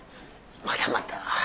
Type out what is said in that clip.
またまた。